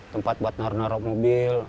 tempat buat narok narok mobil